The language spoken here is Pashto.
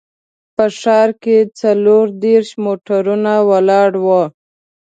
په ښار کې څلور دیرش موټرونه ولاړ وو.